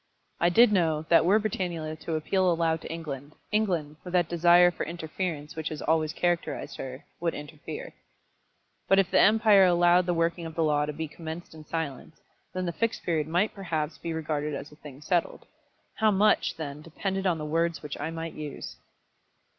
I did know that were Britannula to appeal aloud to England, England, with that desire for interference which has always characterised her, would interfere. But if the empire allowed the working of the law to be commenced in silence, then the Fixed Period might perhaps be regarded as a thing settled. How much, then, depended on the words which I might use!